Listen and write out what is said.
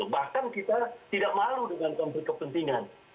bahkan kita tidak malu dengan konflik kepentingan